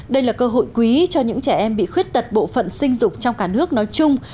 đây là cơ hội quý cho những trẻ em bị khuyết tật bộ phận sinh dục trong cả nước nói chung